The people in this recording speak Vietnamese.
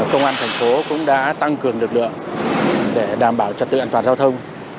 công an thành phố cũng đã tăng cường lực lượng để đảm bảo trật tự an toàn giao thông